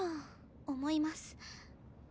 思います。